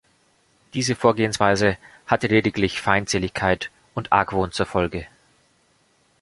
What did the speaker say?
Diese Vorgehensweise hatte lediglich Feindseligkeit und Argwohn zur Folge.